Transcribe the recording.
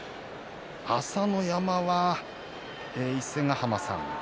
朝乃山は、伊勢ヶ濱さん